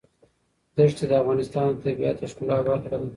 دښتې د افغانستان د طبیعت د ښکلا برخه ده.